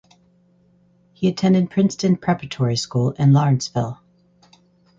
He attended Princeton Preparatory School in Lawrenceville.